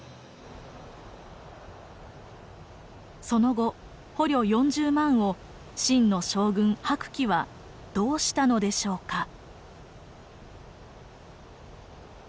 その後捕虜４０万を秦の将軍白起はどうしたのでしょうか？